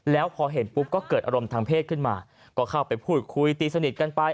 แล้วพอเห็นปุ๊บก็เกิดอารมณ์ทางเพศขึ้นมาก็เข้าไปพูดคุยตีสนิทกันไป